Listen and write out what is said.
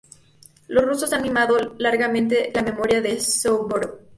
Los rusos han mimado largamente la memoria de Suvórov.